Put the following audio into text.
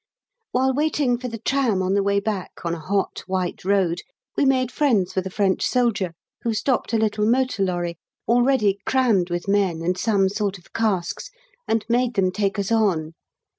While waiting for the tram on the way back, on a hot, white road, we made friends with a French soldier, who stopped a little motor lorry, already crammed with men and some sort of casks, and made them take us on.